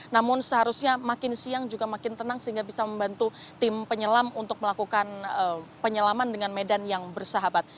namun seharusnya makin siang juga makin tenang sehingga bisa membantu tim penyelam untuk melakukan penyelaman dengan medan yang bersahabat